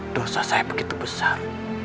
di fr grote guru lu itu merupakan